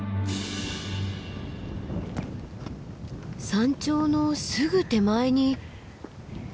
山頂のすぐ手前に。